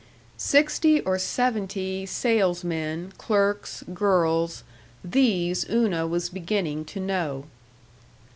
Sixty or seventy salesmen, clerks, girls these Una was beginning to know.